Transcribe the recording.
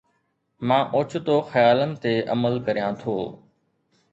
مان اوچتو خيالن تي عمل ڪريان ٿو